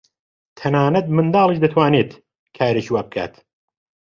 تەنانەت منداڵیش دەتوانێت کارێکی وا بکات.